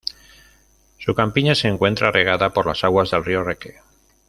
Su campiña se encuentra regada por las aguas del río Reque.